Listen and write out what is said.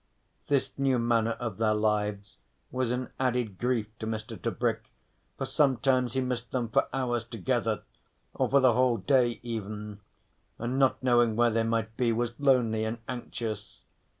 This new manner of their lives was an added grief to Mr. Tebrick, for sometimes he missed them for hours together, or for the whole day even, and not knowing where they might be was lonely and anxious.